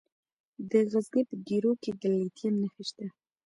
د غزني په ګیرو کې د لیتیم نښې شته.